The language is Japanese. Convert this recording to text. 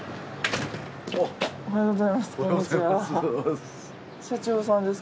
おはようございます。